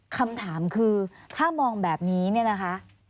คำถามคือถ้ามองแบบนี้เนี่ยนะคะ